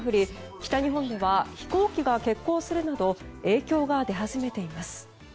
北日本では飛行機が欠航するなど影響が出始めています。